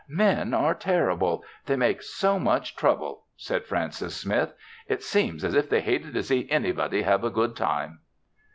"Men are terrible! They make so much trouble," said Frances Smith. "It seems as if they hated to see anybody have a good time."